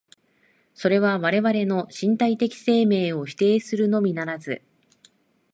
それは我々の身体的生命を否定するのみならず、